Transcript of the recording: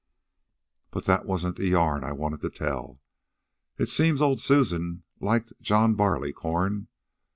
"But that wasn't the yarn I wanted to tell. It seems old Susan liked John Barleycorn.